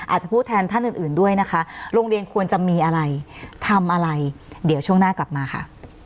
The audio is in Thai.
อาจจะพูดแทนท่านอื่นอื่นด้วยนะคะโรงเรียนควรจะมีอะไรทำอะไรเดี๋ยวช่วงหน้ากลับมาค่ะ